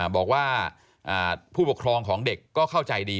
บอกว่าผู้ปกครองของเด็กก็เข้าใจดี